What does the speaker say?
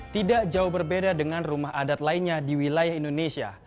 tidak jauh berbeda dengan rumah adat lainnya di wilayah indonesia